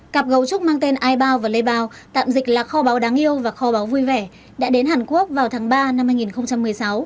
cặp gấu trúc mang tên ibao và lê bao tạm dịch là kho báo đáng yêu và kho báo vui vẻ đã đến hàn quốc vào tháng ba năm hai nghìn một mươi sáu